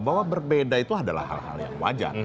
bahwa berbeda itu adalah hal hal yang wajar